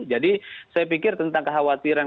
jadi saya pikir tentang kekhawatiran